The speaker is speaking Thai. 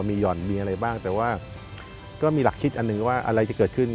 มีหย่อนมีอะไรบ้างแต่ว่าก็มีหลักคิดอันหนึ่งว่าอะไรจะเกิดขึ้น